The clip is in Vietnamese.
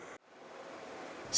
sơn lan bắc yên